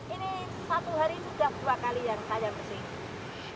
ini satu hari sudah dua kali yang saya bersih